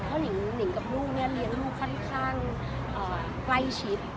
เพราะหนิงกับลูกเนี่ยเลี้ยงลูกค่อนข้างใกล้ชิด